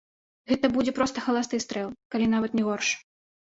Гэта будзе проста халасты стрэл, калі нават не горш.